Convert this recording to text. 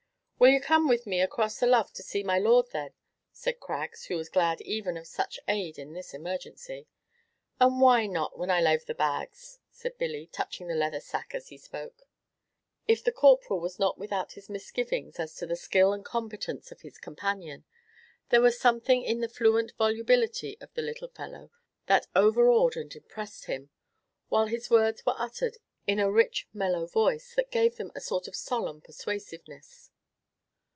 "Will you come with me across the lough, and see my lord, then?" said Craggs, who was glad even of such aid in his emergency. "And why not, when I lave the bags?" said Billy, touching the leather sack as he spoke. If the Corporal was not without his misgivings as to the skill and competence of his companion, there was something in the fluent volubility of the little fellow that overawed and impressed him, while his words were uttered in a rich mellow voice, that gave them a sort of solemn persuasiveness.